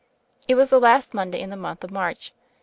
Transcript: It was the last Monday in the month of March.